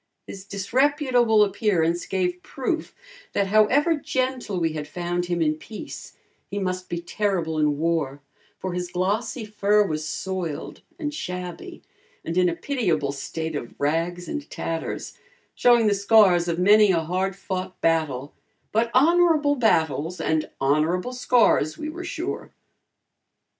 His disreputable appearance gave proof, that however gentle we had found him in peace, he must be terrible in war, for his glossy fur was soiled and shabby and in a pitiable state of rags and tatters, showing the scars of many a hard fought battle, but honorable battles and honorable scars we were sure.